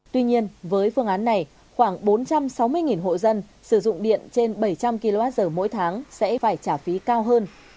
tuy nhiên với phương án này khoảng bốn trăm sáu mươi hộ dân sử dụng điện trên bảy trăm linh kwh mỗi tháng sẽ phải trả phí cao hơn